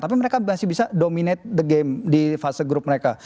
tapi mereka masih bisa dominate the game di fase grup mereka